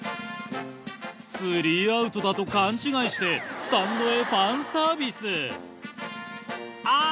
３アウトだと勘違いしてスタンドへファンサービス。